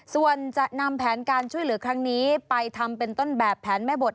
ส่วนจะนำแผนการช่วยเหลือครั้งนี้ไปทำเป็นต้นแบบแผนแม่บท